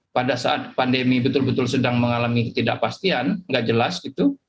pada saat pandemi betul betul sedang mengalami ketidakpastian nggak jelas gitu